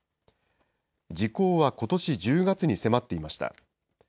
時効はことし１０月に迫っていました。